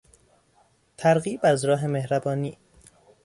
ترغیب از راه مهربانی